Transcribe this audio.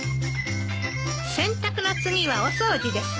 洗濯の次はお掃除です。